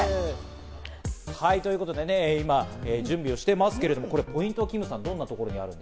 ということでね準備をしてますけど、キムさん、ポイントは？